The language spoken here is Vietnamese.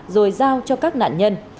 rồi giao cho các nạn nhân